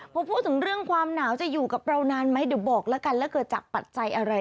พอพูดถึงเรื่องความหนาวจะอยู่กับเรานานไหมเดี๋ยวบอกแล้วกันแล้วเกิดจากปัจจัยอะไร